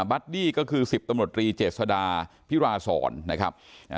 บัดดี้ก็คือสิบตำรวจรีเจษดาพิราศรนะครับ